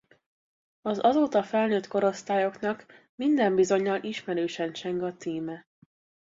Az azóta felnőtt korosztályoknak minden bizonnyal ismerősen cseng a címe.